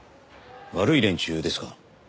悪い連中ですか？